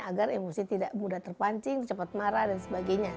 agar emosi tidak mudah terpancing cepat marah dan sebagainya